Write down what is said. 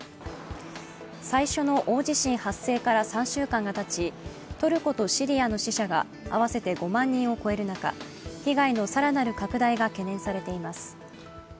最初の大地震発生から３週間がたち、トルコとシリアの死者が合わせて５万人を超える中、被害の更なる拡大が懸念されています。